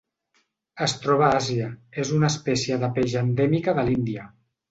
Es troba a Àsia: és una espècie de peix endèmica de l'Índia.